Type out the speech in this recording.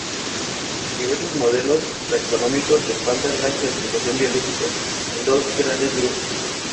Diversos modelos taxonómicos respaldan la clasificación biológica en dos grandes grupos.